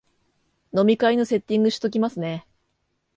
飲み会のセッティングしときますね